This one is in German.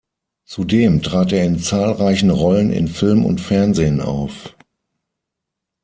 Zudem trat er in zahlreichen Rollen in Film und Fernsehen auf.